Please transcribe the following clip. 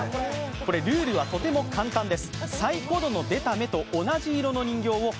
ルールはとても簡単です。